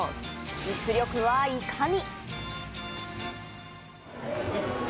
実力はいかに？